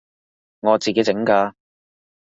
我自己整㗎